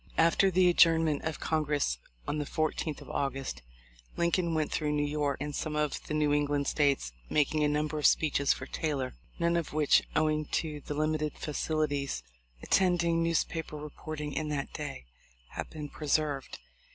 After the adjournment of Congress on the 14,th of August, Lincoln went through New York and some of the New England States making a number of speeches for Taylor, none of which, owing to the limited facilities attending newspaper reporting in that day, have been preserved.